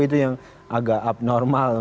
itu yang agak abnormal